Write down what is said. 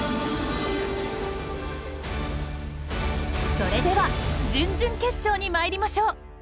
それでは準々決勝に参りましょう。